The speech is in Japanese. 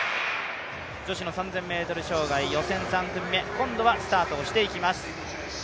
女子３０００ｍ障害予選３組、今度はスタートしていきます。